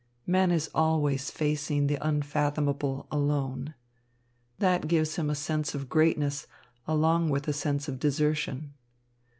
Man is always facing the unfathomable alone. That gives him a sense of greatness along with a sense of desertion.